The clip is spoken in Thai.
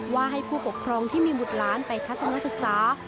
ว่าให้ผู้ปกครองที่มีบุตรล้านไปทัศนศึกษา